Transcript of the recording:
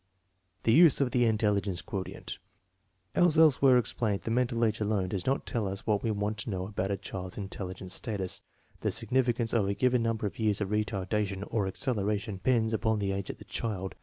The use of the intelligence quotient. As elsewhere ex plained, the mental age alone does not tell us what we want to know about a child's intelligence status. The significance of a given number of years of retardation or acceleration depends upon the age of the child.